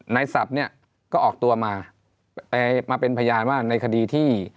ศัพท์เนี่ยก็ออกตัวมามาเป็นพยานว่าในคดีที่